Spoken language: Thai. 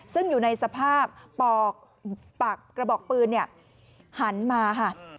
ซึ่งอยู่ในสภาพปอกปากกระบอกปืนหันมาค่ะ